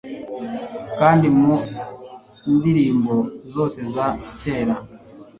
Kandi mu ndirimbo zose za kera